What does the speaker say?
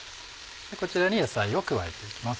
こちらに野菜を加えていきます。